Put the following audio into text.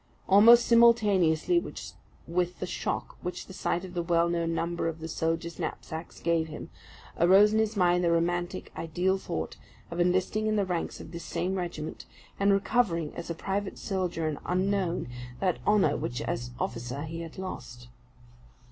Almost simultaneously with the shock which the sight of the well known number on the soldiers' knapsacks gave him, arose in his mind the romantic, ideal thought, of enlisting in the ranks of this same regiment, and recovering, as a private soldier and unknown, that honour which as officer he had lost.